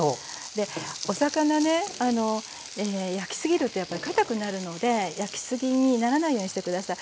でお魚ね焼きすぎるとやっぱりかたくなるので焼きすぎにならないようにして下さい。